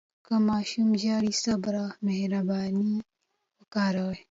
که ماشوم ژاړي، صبر او مهرباني وکاروئ.